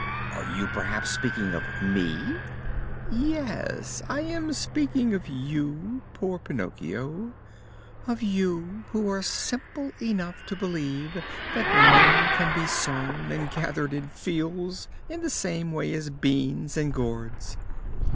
"Are you perhaps speaking of me?" "Yes, I am speaking of you, poor Pinocchio of you who are simple enough to believe that money can be sown and gathered in fields in the same way as beans and gourds.